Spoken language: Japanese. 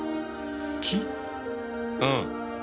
うん。